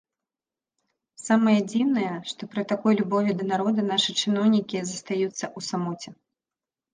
Самае дзіўнае, што пры такой любові да народа нашы чыноўнікі застаюцца ў самоце.